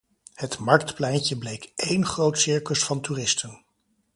Het marktpleintje bleek één groot circus van toeristen.